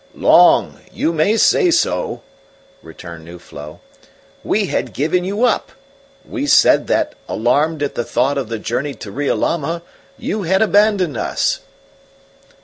"Long you may say so," returned Nuflo. "We had given you up. We said that, alarmed at the thought of the journey to Riolama, you had abandoned us."